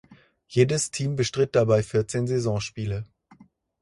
Jedes Team bestritt dabei vierzehn Saisonspiele.